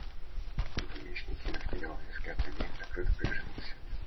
И помещик, кинув недовольный взгляд на Левина, круто повернулся.